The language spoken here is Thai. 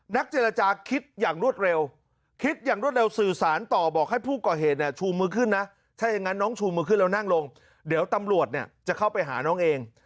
เจรจาคิดอย่างรวดเร็วคิดอย่างรวดเร็วสื่อสารต่อบอกให้ผู้ก่อเหตุเนี่ยชูมือขึ้นนะถ้าอย่างนั้นน้องชูมือขึ้นแล้วนั่งลงเดี๋ยวตำรวจเนี่ยจะเข้าไปหาน้องเอง